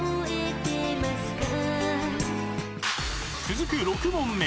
［続く６問目］